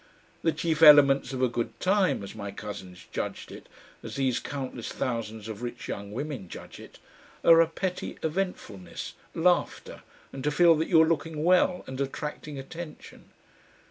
The chief elements of a good time, as my cousins judged it, as these countless thousands of rich young women judge it, are a petty eventfulness, laughter, and to feel that you are looking well and attracting attention.